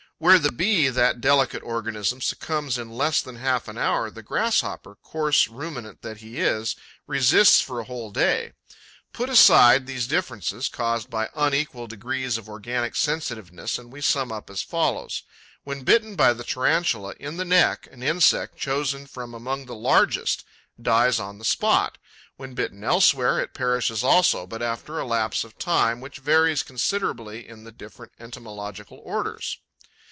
Where the Bee, that delicate organism, succumbs in less than half an hour, the Grasshopper, coarse ruminant that he is, resists for a whole day. Put aside these differences, caused by unequal degrees of organic sensitiveness, and we sum up as follows: when bitten by the Tarantula in the neck, an insect, chosen from among the largest, dies on the spot; when bitten elsewhere, it perishes also, but after a lapse of time which varies considerably in the different entomological orders.